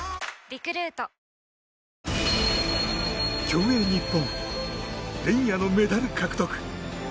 競泳日本、連夜のメダル獲得！